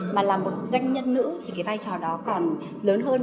mà là một doanh nhân nữ thì cái vai trò đó còn lớn hơn